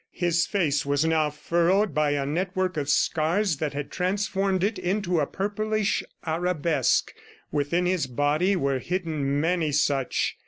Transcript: His face was now furrowed by a network of scars that had transformed it into a purplish arabesque. Within his body were hidden many such.